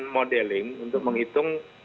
modeling untuk menghitung